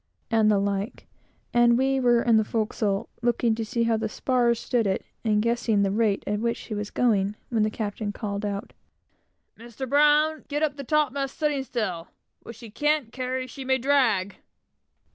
and the like; and we were on the forecastle, looking to see how the spars stood it, and guessing the rate at which she was going, when the captain called out "Mr. Brown, get up the topmast studding sail! What she can't carry she may drag!"